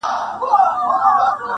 که سپی غاپي خو زه هم سم هرېدلای٫